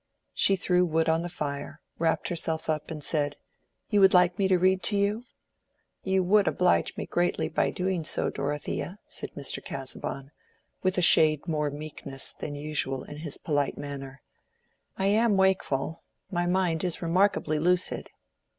She threw wood on the fire, wrapped herself up, and said, "You would like me to read to you?" "You would oblige me greatly by doing so, Dorothea," said Mr. Casaubon, with a shade more meekness than usual in his polite manner. "I am wakeful: my mind is remarkably lucid."